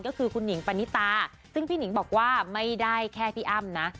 ก็คือคุณหิงปณิตาซึ่งพี่หนิงบอกว่าไม่ได้แค่พี่อ้ำนะ